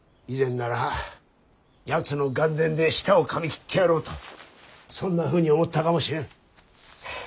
以前ならやつの眼前で舌をかみ切ってやろうとそんなふうに思ったかもしれん。